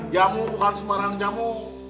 jamu bukan sebarang jamu